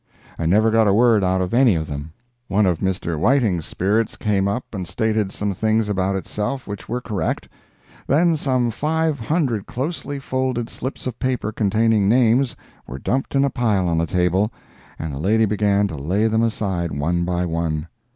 I never got a word out of any of them. One of Mr. Whiting's spirits came up and stated some things about itself which were correct. Then some five hundred closely folded slips of paper containing names, were dumped in a pile on the table, and the lady began to lay them aside one by one.